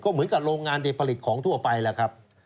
ก็เหมือนกับโรงงานผลิตของทั่วไปล่ะครับ